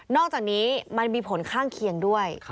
อกจากนี้มันมีผลข้างเคียงด้วย